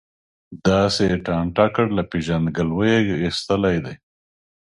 داسې یې ټانټه کړ، له پېژندګلوۍ یې ایستلی دی.